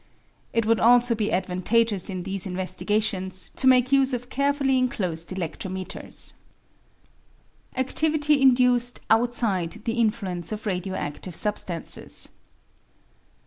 It would also be advantageous in these investigations to make use of carefully enclosed eledrometers. Activity Induced Outside the Influence of Radio active Substances.